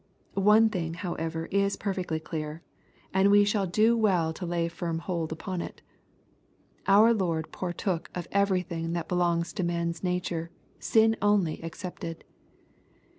One thing, however, is perfectly clear, and we shall 76 SXPOSITOBT THOUGBTS. do well to lay firm hold upon it. Our Lord partook of eveiything that belongs to man's nature, sin only ex cepted.